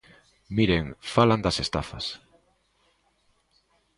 Miren, falan das estafas.